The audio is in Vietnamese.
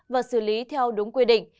và xử lý theo đúng quy định